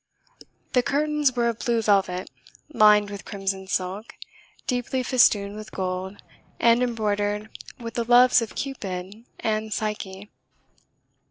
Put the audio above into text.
The curtains were of blue velvet, lined with crimson silk, deeply festooned with gold, and embroidered with the loves of Cupid and Psyche.